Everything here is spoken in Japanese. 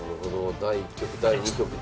第１局第２局と。